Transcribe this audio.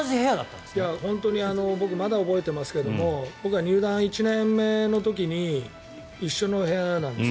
僕はまだ覚えていますけど僕は入団１年目の時に一緒の部屋なんです。